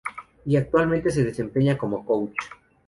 Y actualmente se desempeña como coach.